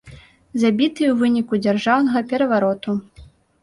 Забіты ў выніку дзяржаўнага перавароту.